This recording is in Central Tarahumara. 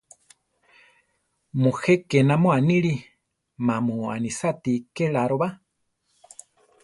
Mujé ke namó aníli; má mu anisáati ke laro ba.